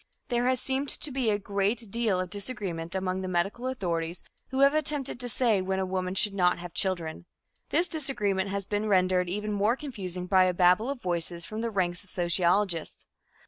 There has seemed to be a great deal of disagreement among the medical authorities who have attempted to say when a woman should not have children. This disagreement has been rendered even more confusing by a babel of voices from the ranks of sociologists.